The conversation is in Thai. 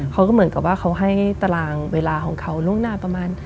เขาก็เหมือนกับว่าเขาให้ตารางเวลาของเขาล่วงหน้าประมาณ